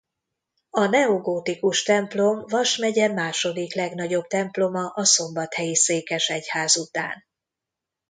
A neogótikus templom Vas megye második legnagyobb temploma a szombathelyi székesegyház után.